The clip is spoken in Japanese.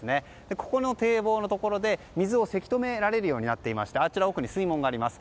ここの堤防のところで水をせき止められるようになっていましてあちら、水門があります。